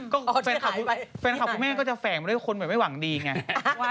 ก็คือแฟนคลับพวกแม่ก็จะแฝงมาด้วยคนไม่หวังดีไง